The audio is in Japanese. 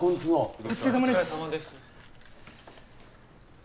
お疲れさまです